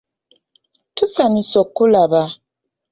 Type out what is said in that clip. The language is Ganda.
Tusanyuse okkulaba.